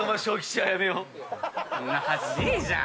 そんなはずねえじゃん。